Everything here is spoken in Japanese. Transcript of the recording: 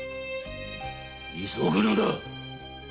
急ぐのだ！